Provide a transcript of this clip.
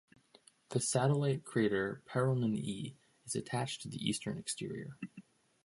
The satellite crater Perel'man E is attached to the eastern exterior.